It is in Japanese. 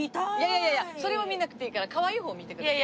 いやそれは見なくていいからかわいい方見てください。